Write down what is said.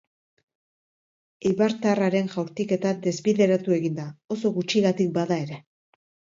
Eibartarraren jaurtiketa desbideratu egin da, oso gutxigatik bada ere.